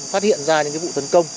phát hiện ra những vụ tấn công